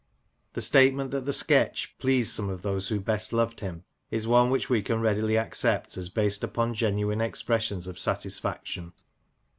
The statement that the sketch " pleased some of those who best loved him " is one which we can readily accept as based upon genuine expressions of satisfaction.